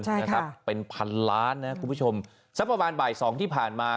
ใช่นะครับเป็นพันล้านนะครับคุณผู้ชมสักประมาณบ่ายสองที่ผ่านมา